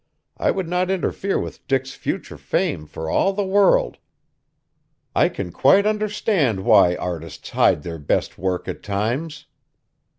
I would not interfere with Dick's future fame for all the world! I can quite understand why artists hide their best work at times!"